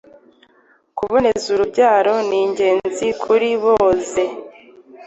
kuboneza urubyaro ningenzi kuri boze